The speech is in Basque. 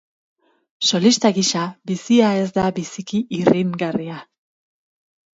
Solista gisa, bizia ez da biziki irringarria.